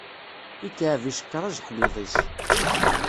Ikεeb icekkeṛ ajeḥniḍ-is.